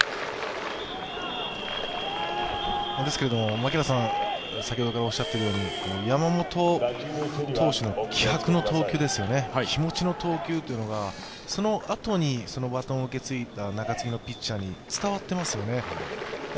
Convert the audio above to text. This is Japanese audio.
槙原さん、先ほどからおっしゃっているように、山本投手の気迫の投球ですよね、気持ちの投球がそのあとにバトンを受け継いだ中継ぎのピッチャーに伝わっていますよね。